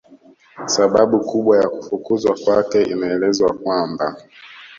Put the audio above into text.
Sababu kubwa ya kufukuzwa kwake inaelezwa kwamba